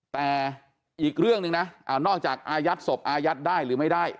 แต่อีกเรื่องหนึ่งนะนอกจากอายัดศพอายัดได้หรือไม่ได้